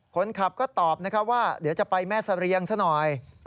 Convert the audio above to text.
คนขับก็ตอบว่าเดี๋ยวจะไปแม่สะเรียงซะหน่อย